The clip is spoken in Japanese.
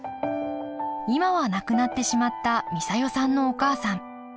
今は亡くなってしまった美佐代さんのお母さん。